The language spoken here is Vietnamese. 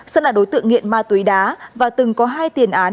sơn là đối tượng nghiện ma túy đá và từng có hai tiền án